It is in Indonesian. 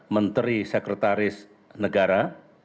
menteri sekretaris negara